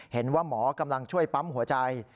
เห็นว่าหมอกำลังช่วยปั๊มหัวใจ